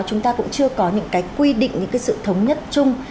chúng ta cũng chưa có những cái quy định những cái sự thống nhất chung